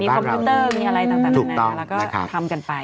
คอมพิวเตอร์มีอะไรต่างนานาแล้วก็ทำกันไป